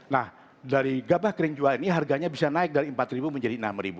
nah dari gabah kering jual ini harganya bisa naik dari rp empat menjadi rp enam